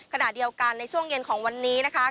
ขณะเดียวกันในช่วงเย็นของวันนี้นะคะ